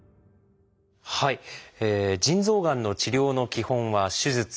腎臓がんの治療の基本は手術。